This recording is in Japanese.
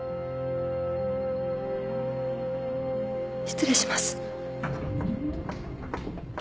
失礼します。